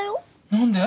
何で？